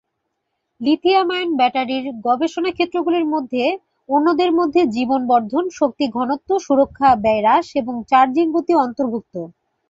Lithium-ion ব্যাটারির গবেষণা ক্ষেত্রগুলির মধ্যে অন্যদের মধ্যে জীবন বর্ধন, শক্তি ঘনত্ব, সুরক্ষা, ব্যয় হ্রাস এবং চার্জিং গতি অন্তর্ভুক্ত।